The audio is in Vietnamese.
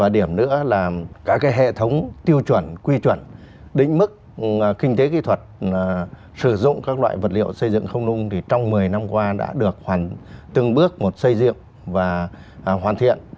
điểm nữa là các hệ thống tiêu chuẩn quy chuẩn đỉnh mức kinh tế kỹ thuật sử dụng các loại vật liệu xây dựng không nung trong một mươi năm qua đã được từng bước một xây dựng và hoàn thiện